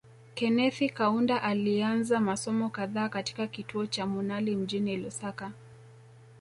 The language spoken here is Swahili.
Kenethi Kaunda alianza masomo kadhaa katika kituo cha Munali mjini Lusaka